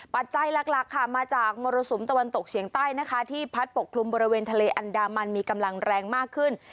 ปัจจัยหลักค่ะมาจากมรสุมตะวันตกเฉียงใต้นะคะที่พัดปกคลุมบริเวณทะเลอันดามันมีกำลังแรงมากขึ้น